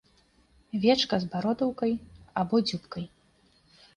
Вечка з бародаўкай або дзюбкай.